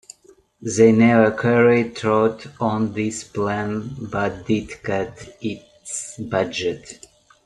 They never carried through on this plan, but did cut its budget.